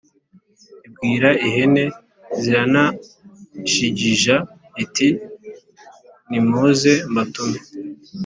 » ibwira ihene z'arnajigija iti «nimuze mbatume.»